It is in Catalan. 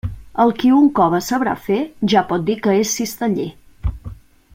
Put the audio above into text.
El qui un cove sabrà fer, ja pot dir que és cisteller.